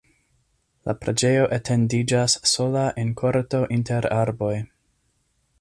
La preĝejo etendiĝas sola en korto inter arboj.